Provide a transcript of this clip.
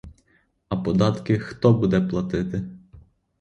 А податки хто буде платити?